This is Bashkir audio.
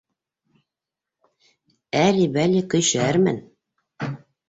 Әли-бәли көйшәрмен